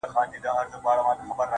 زما خو ټوله زنده گي توره ده.